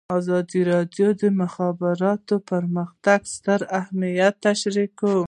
ازادي راډیو د د مخابراتو پرمختګ ستر اهميت تشریح کړی.